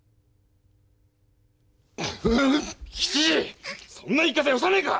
吉次そんな言い方よさねえか。